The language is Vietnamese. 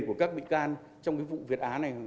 của các bị can trong cái vụ việt á này